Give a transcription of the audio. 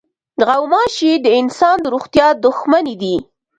غوماشې د انسان د روغتیا دښمنې دي.